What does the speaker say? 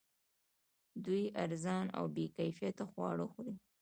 دوی ارزان او بې کیفیته خواړه خوري